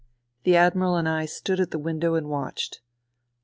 The Admiral and I stood at the window and watched.